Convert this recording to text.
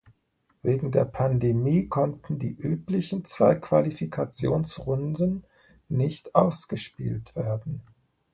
Wegen der Pandemie konnten die üblichen zwei Qualifikationsrunden nicht ausgespielt werden.